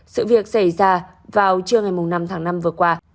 sự việc xảy ra vào trưa ngày năm tháng năm vừa qua